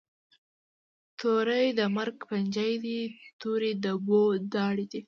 توری د مرګ پنجی دي، توری د بو داړي دي